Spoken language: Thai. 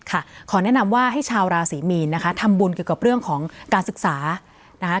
ขอแนะนำว่าให้ชาวราศรีมีนนะคะทำบุญเกี่ยวกับเรื่องของการศึกษานะคะ